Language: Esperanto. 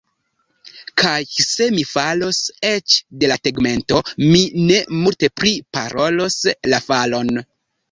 Kaj se mi falos eĉ de la tegmento, mi ne multe priparolos la falon.